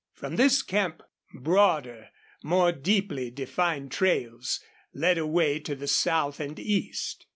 From this camp broader, more deeply defined trails led away to the south and east.